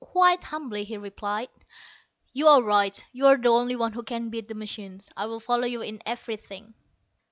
Quite humbly he replied: "You are right. You are the only one who can beat the machines. I'll follow you in everything."